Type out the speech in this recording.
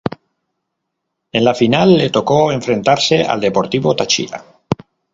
En la final le tocó enfrentarse al Deportivo Táchira.